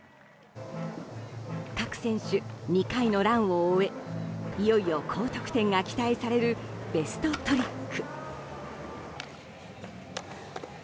各選手２回のランを終えいよいよ、高得点が期待されるベストトリック。